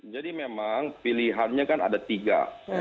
jadi memang pilihannya kan ada tiga